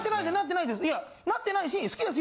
いやなってないし好きですよ。